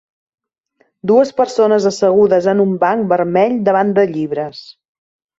Dues persones assegudes en un banc vermell davant de llibres.